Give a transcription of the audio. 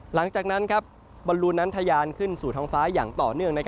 หลังจากนั้นบอลลูนนั้นทะยานขึ้นสู่ท้องฟ้าอย่างต่อเนื่อง